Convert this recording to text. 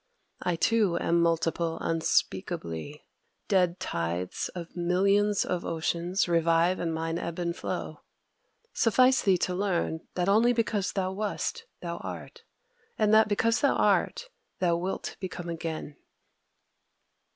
I, too, am multiple unspeakably: dead tides of millions of oceans revive in mine ebb and flow. Suffice thee to learn that only because thou wast thou art, and that because thou art thou wilt become again."